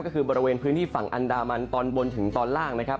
ก็คือบริเวณพื้นที่ฝั่งอันดามันตอนบนถึงตอนล่างนะครับ